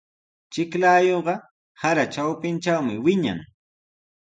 Chiklayuqa sara trawpintrawmi wiñan.